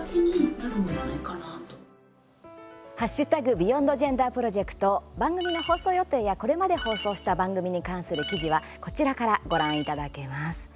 ＢｅｙｏｎｄＧｅｎｄｅｒプロジェクト番組の放送予定やこれまで放送した番組に関する記事はこちらからご覧いただけます。